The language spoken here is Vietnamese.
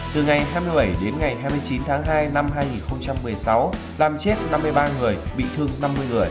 từ ngày hai mươi bảy đến ngày hai mươi chín tháng hai năm hai nghìn một mươi sáu làm chết năm mươi ba người bị thương năm mươi người